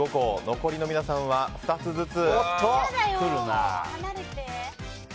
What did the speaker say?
残りの皆さんは２つずつ。